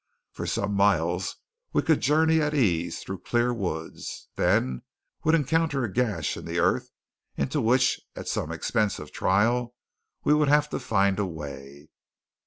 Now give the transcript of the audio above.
For some miles we could journey at ease through clear woods, then would encounter a gash in the earth into which, at some expense of trial, we would have to find a way.